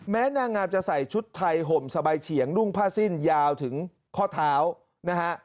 นางงามจะใส่ชุดไทยห่มสบายเฉียงนุ่งผ้าสิ้นยาวถึงข้อเท้านะฮะ